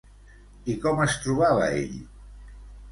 I com es trobava ell?